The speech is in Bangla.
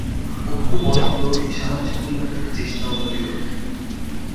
অপটু মহেন্দ্র সাহায্য করিবার কোনো চেষ্টাও করিল না।